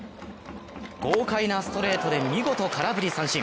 豪快なストレートで見事空振り三振。